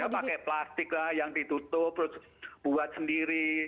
pakai plastik yang ditutup buat sendiri